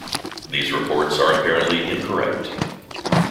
These reports are apparently incorrect.